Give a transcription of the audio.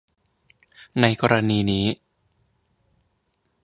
ในกรณีนี้